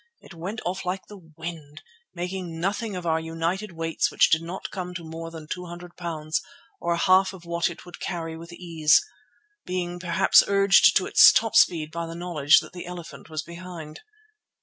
It went off like the wind, making nothing of our united weights which did not come to more than two hundred pounds, or a half of what it could carry with ease, being perhaps urged to its top speed by the knowledge that the elephant was behind.